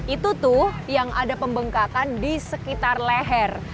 itu tuh yang ada pembengkakan di sekitar leher